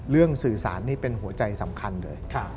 สื่อสารนี่เป็นหัวใจสำคัญเลย